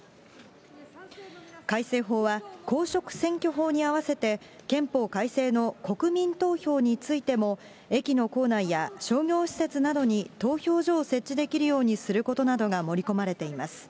改正法は公職選挙法に合わせて、憲法改正の国民投票についても駅の構内や商業施設などに投票所を設置できるようにすることなどが盛り込まれています。